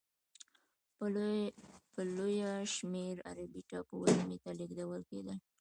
په لویه شمېر عربي ټاپو وزمې ته لېږدول کېدل.